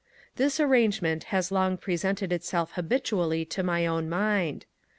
This arrangement has long presented itself habitually to my own mind.